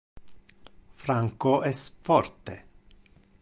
Franco es forte.